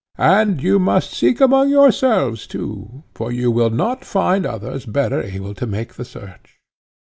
And you must seek among yourselves too; for you will not find others better able to make the search.